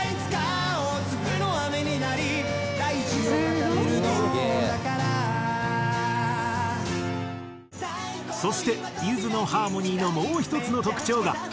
「すげえ！」そしてゆずのハーモニーのもう１つの特徴が。